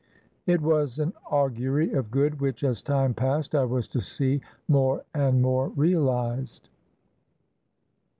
It was an augury of good which, as time passed, I was to see more and more reahzed.